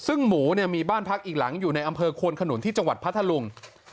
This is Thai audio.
ซึ่งหมูเนี่ยมีบ้านพักอีกหลังอยู่ในอำเภอควนขนุนที่จังหวัดพัทธลุง